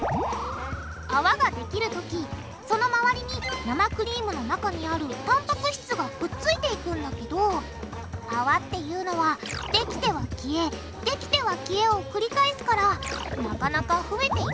泡ができるときそのまわりに生クリームの中にあるたんぱく質がくっついていくんだけど泡っていうのはできては消えできては消えを繰り返すからなかなか増えていかないんだ